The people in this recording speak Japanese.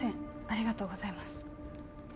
ありがとうございます